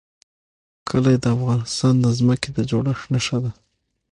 کلي د افغانستان د ځمکې د جوړښت نښه ده.